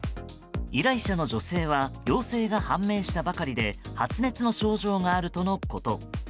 依頼者の女性は陽性が判明したばかりで発熱の症状があるとのこと。